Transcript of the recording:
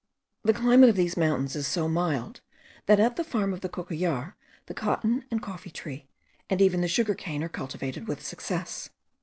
The climate of these mountains is so mild that at the farm of the Cocollar the cotton and coffee tree, and even the sugar cane, are cultivated with success.